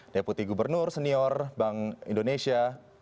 deputi gubernur senior bank indonesia